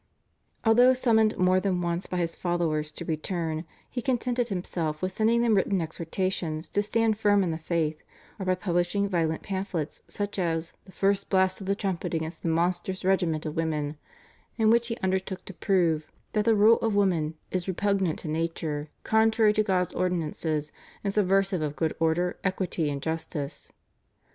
Although summoned more than once by his followers to return, he contented himself with sending them written exhortations to stand firm in the faith, or by publishing violent pamphlets such as /The First Blast of the Trumpet against the Monstrous Regiment of Women/, in which he undertook to prove that the rule of women is repugnant to nature, contrary to God's ordinances, and subversive of good order, equity, and justice.